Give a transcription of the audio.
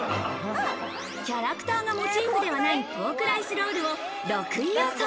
キャラクターがモチーフではないポークライスロールを６位予想。